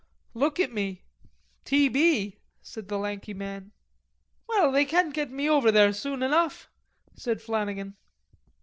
"Look at me... t. b.," said the lanky man. "Well, they can't get me over there soon enough," said Flannagan.